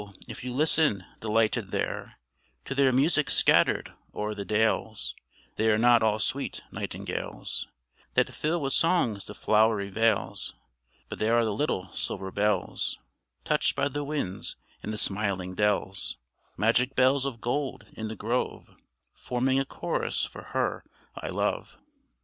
if you listen, delighted there, To their music scattered o'er the dales, They are not all sweet nightingales, That fill with songs the flowery vales; But they are the little silver bells Touched by the winds in the smiling dells; Magic bells of gold in the grove, Forming a chorus for her I love.